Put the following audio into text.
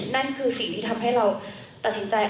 นั่นคือสิ่งที่ทำให้เราตัดสินใจ